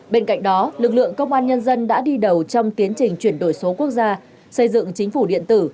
bên cạnh đó lực lượng công an nhân dân đã đi đầu trong tiến trình chuyển đổi số quốc gia xây dựng chính phủ điện tử